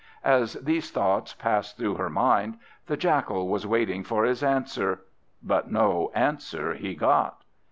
As these thoughts passed through her mind the Jackal was waiting for his answer; but no answer he got.